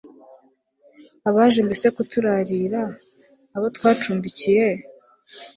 abaje mbese kuturarira, abo twacumbikiye